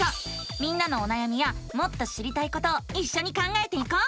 みんなのおなやみやもっと知りたいことをいっしょに考えていこう！